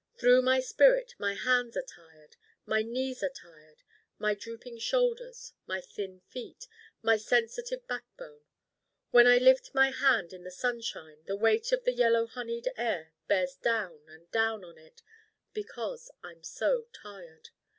Through my spirit my hands are Tired: my knees are Tired: my drooping shoulders: my thin feet: my sensitive backbone. When I lift my hand in the sunshine the weight of the yellow honeyed air bears down and down on it because I'm so Tired.